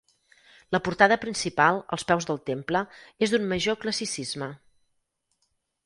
La portada principal, als peus del temple, és d'un major classicisme.